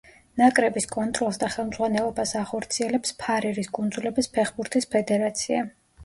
ნაკრების კონტროლს და ხელმძღვანელობას ახორციელებს ფარერის კუნძულების ფეხბურთის ფედერაცია.